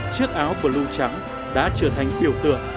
chiếc áo blue trắng đã trở thành tiểu tượng